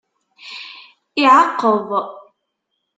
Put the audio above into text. Iɛeqqeḍ.